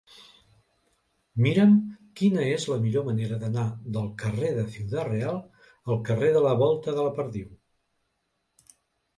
Mira'm quina és la millor manera d'anar del carrer de Ciudad Real al carrer de la Volta de la Perdiu.